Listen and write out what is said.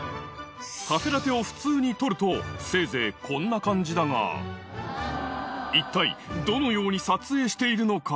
カフェラテをせいぜいこんな感じだが一体どのように撮影しているのか？